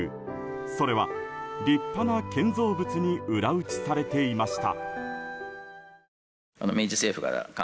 それは、立派な建造物に裏打ちされていました。